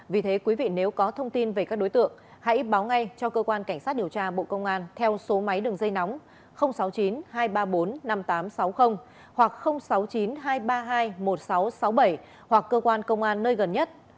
vì thế quý vị nếu có thông tin về các đối tượng hãy báo ngay cho cơ quan cảnh sát điều tra bộ công an theo số máy đường dây nóng sáu mươi chín hai trăm ba mươi bốn năm nghìn tám trăm sáu mươi hoặc sáu mươi chín hai trăm ba mươi hai một nghìn sáu trăm sáu mươi bảy hoặc cơ quan công an nơi gần nhất